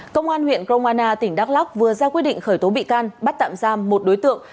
công an huyện kromana tỉnh đắk lắc vừa ra quyết định khởi tố bị can bắt tạm giam một đối tượng